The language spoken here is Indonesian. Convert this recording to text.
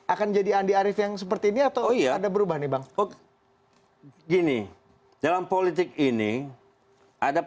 akan jadi andi arief yang seperti ini atau oh iya ada berubah nih bang oke gini dalam politik ini ada